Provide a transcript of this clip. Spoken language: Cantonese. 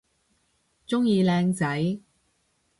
鍾意靚仔